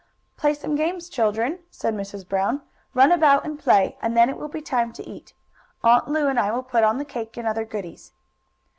"Play some games, children," said Mrs. Brown. "Run about and play, and then it will be time to eat. Aunt Lu and I will put on the cake, and other goodies."